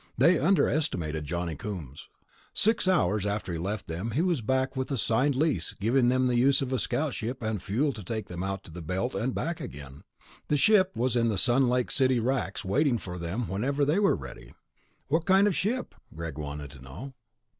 They underestimated Johnny Coombs. Six hours after he left them, he was back with a signed lease giving them the use of a scout ship and fuel to take them out to the Belt and back again; the ship was in the Sun Lake City racks waiting for them whenever they were ready. "What kind of a ship?" Greg wanted to know.